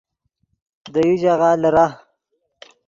دے یو ژاغہ لیرہ